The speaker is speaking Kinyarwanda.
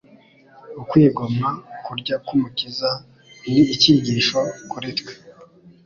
Ukwigomwa kurya k’Umukiza ni icyigisho kuri twe,